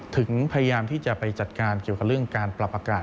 ถึงพยายามที่จะไปจัดการเกี่ยวกับเรื่องการปรับอากาศ